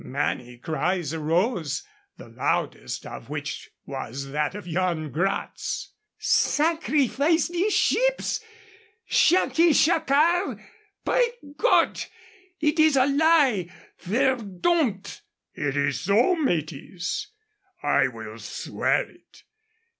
Many cries arose, the loudest of which was that of Yan Gratz. "Sacrifice de schips, Shacky Shackart! Py Cott! It is a lie, verdomd!" "It is so, mateys, I will swear it.